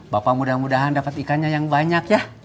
bapak mudah mudahan dapat ikannya yang banyak ya